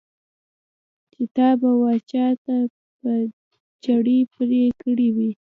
چې ته وا چا به په چړې پرې کړي وي.